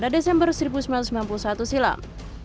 dua desember seribu sembilan ratus sembilan puluh satu silam